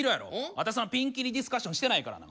あたしそんなピンキリディスカッションしてないからな。